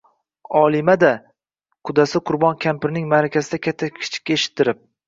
«Olima-da!» — Qudasi Qurbon kampirning maʼrakada katta-kichikka eshittirib